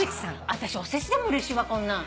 私お世辞でもうれしいこんなん。